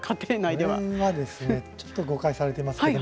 ちょっと誤解されています。